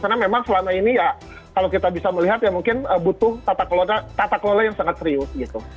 karena memang selana ini ya kalau kita bisa melihat ya mungkin butuh tata kelola yang sangat serius gitu